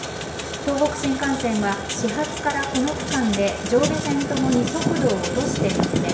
東北新幹線は始発からこの区間で上下線ともに速度を落として運転。